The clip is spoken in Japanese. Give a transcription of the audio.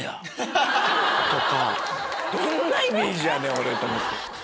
どんなイメージやねん俺！と思って。